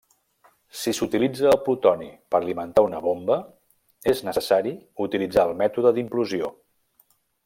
Si s'utilitza el plutoni per alimentar una bomba, és necessari utilitzar el mètode d'implosió.